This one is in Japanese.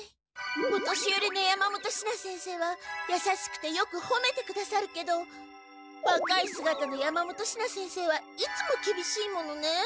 お年よりの山本シナ先生はやさしくてよくほめてくださるけどわかいすがたの山本シナ先生はいつもきびしいものね。